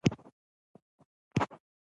د مالګې مختلف ډولونه دي.